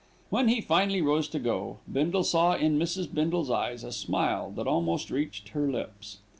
When he finally rose to go, Bindle saw in Mrs. Bindle's eyes a smile that almost reached her lips.